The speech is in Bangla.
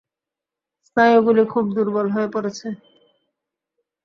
স্নায়ুগুলি খুব দুর্বল হয়ে পড়েছে।